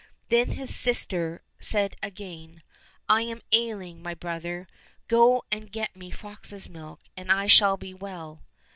Then his sister said again, " I am ailing, my brother ; go and get me fox's milk, and I shall be well."